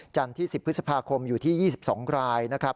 ที่๑๐พฤษภาคมอยู่ที่๒๒รายนะครับ